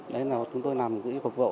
đấy là chúng tôi làm gửi phục vụ